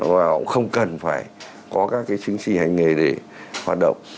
và cũng không cần phải có các cái chứng chỉ hành nghề để hoạt động